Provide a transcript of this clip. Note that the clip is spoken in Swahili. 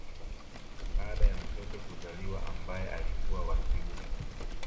Baada ya mtoto kuzaliwa ambaye alikuwa wa kiume